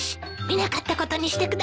見なかったことにしてください。